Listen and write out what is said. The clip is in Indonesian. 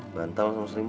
bantal sama seringmu